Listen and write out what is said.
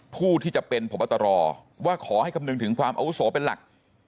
ผู้ที่จะเป็นพบตรว่าขอให้คำนึงถึงความอาวุโสเป็นหลัก